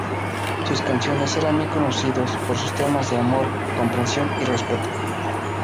Sus canciones eran bien conocidos por sus temas de "amor, comprensión y respeto".